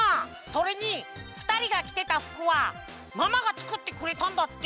それにふたりがきてたふくはママがつくってくれたんだって！